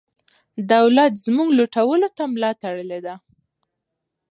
دولت زموږ لوټلو ته ملا تړلې ده.